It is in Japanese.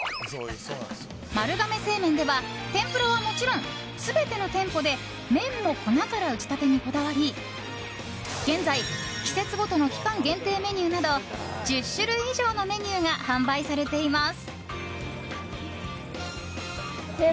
丸亀製麺では、天ぷらはもちろん全ての店舗で麺も粉から打ちたてにこだわり現在、季節ごとの期間限定メニューなど１０種類以上のメニューが販売されています。